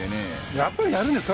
やっぱりやるんですか？